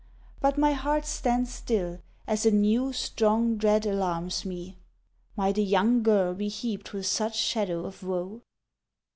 But my heart stands still, as a new, strong dread alarms Me; might a young girl be heaped with such shadow of woe?